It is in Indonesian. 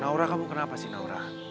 naura kamu kenapa sih naura